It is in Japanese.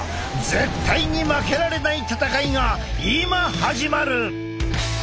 絶対に負けられない戦いが今始まる！